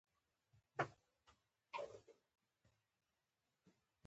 احمدشاه بابا د ولس د ستونزو هوارولو ته پام کاوه.